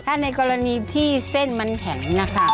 ถ้าในกรณีที่เส้นมันแข็งนะคะ